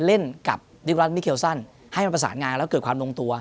เล่นกับดิบรัฐมิเคลซันให้มันประสานงานแล้วเกิดความลงตัว